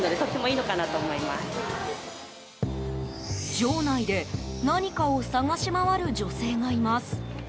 場内で何かを探し回る女性がいます。